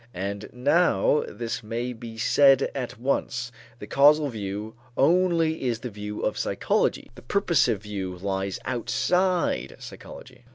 And now this may be said at once: the causal view only is the view of psychology; the purposive view lies outside of psychology.